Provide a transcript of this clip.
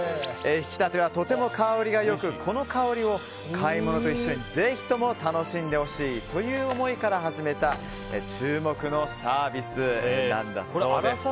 ひきたては、とても香りが良くこの香りを買いものと一緒にぜひとも楽しんでほしいという思いから始めた注目のサービスなんだそうです。